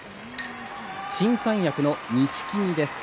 新三役の錦木です。